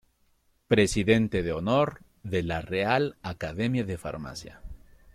Presidente de Honor de la Real Academia de Farmacia.